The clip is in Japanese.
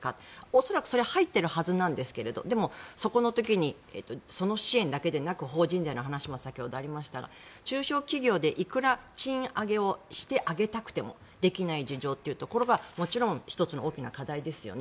恐らく、それ入っているはずなんですがその時にその支援だけでなく法人税の話も先ほどありました中小企業で賃上げをしてあげたくてもできない事情というのがもちろん１つの大きな課題ですよね。